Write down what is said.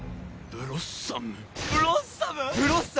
ブロッサム。